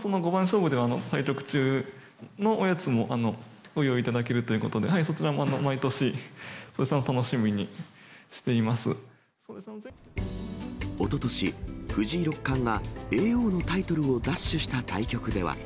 その五番勝負では、対局中のおやつもご用意いただけるということで、そちらも毎年楽おととし、藤井六冠が叡王のタイトルを奪取した対局では。